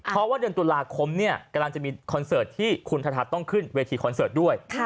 เพราะว่าเดือนตุลาคมเนี่ยกำลังจะมีคอนเสิร์ตที่คุณธทัศน์ต้องขึ้นเวทีคอนเสิร์ตด้วย